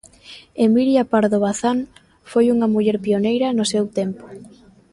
Emilia Pardo Bazán foi unha muller pioneira no seu tempo.